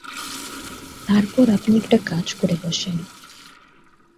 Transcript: তারপর আপনি একটি কাজ করে বসেন।